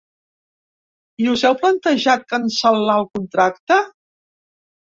I us heu plantejat cancel·lar el contracte?